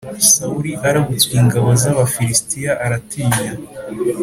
sawuli arabutswe ingabo z’abafilisitiya aratinya